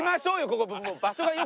ここ。